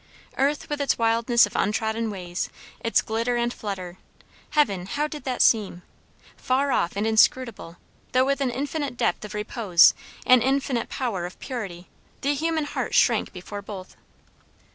Earth with its wildness of untrodden ways, its glitter and flutter; heaven, how did that seem? Far off and inscrutable, though with an infinite depth of repose, an infinite power of purity. The human heart shrank before both.